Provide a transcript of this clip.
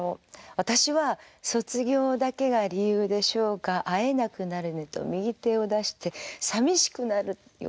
私は「卒業だけが理由でしょうか会えなくなるねと右手を出してさみしくなるよ